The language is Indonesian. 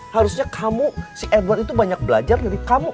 harusnya kamu si edward itu banyak belajar dari kamu